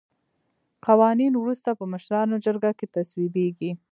قوانین وروسته په مشرانو جرګه کې تصویبیږي.